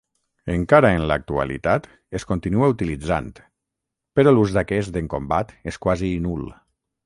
Encara en l'actualitat es continua utilitzant, però l'ús d'aquest en combat és quasi nul.